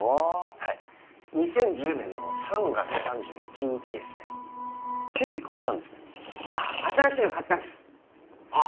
はい２０１０年の３月３１日ですねテレビかわったんですねああ新しいの買ったんですあっ